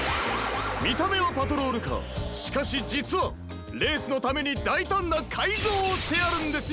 みためはパトロールカーしかしじつはレースのためにだいたんなかいぞうをしてあるんですよ！